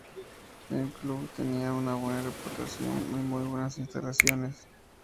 El club tenía una buena reputación y muy buenas instalaciones.